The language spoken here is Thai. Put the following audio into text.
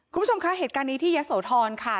คุณผู้ชมคะเหตุการณ์นี้ที่ยะโสธรค่ะ